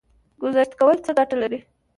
ګذشت کول څه ګټه لري؟